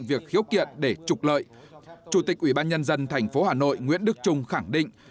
việc khiếu kiện để trục lợi chủ tịch ủy ban nhân dân tp hà nội nguyễn đức trung khẳng định